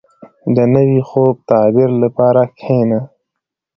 • د نوي خوب د تعبیر لپاره کښېنه.